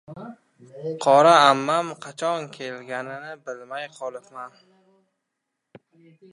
Qora ammam» qachon kelganini bilmay qolibman.